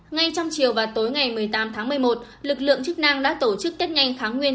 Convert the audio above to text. ngay trong chiều và tối ngày một mươi tám tháng một mươi một lực lượng chức năng đã tổ chức tết nhanh kháng nguyên